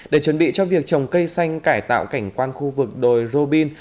để chuẩn bị cho việc trồng cây xanh cải tạo cảnh quan khu vực đồi robin